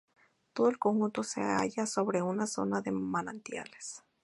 Todo el conjunto se halla sobre una zona de manantiales.